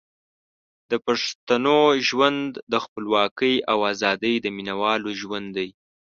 د پښتنو ژوند د خپلواکۍ او ازادۍ د مینوالو ژوند دی.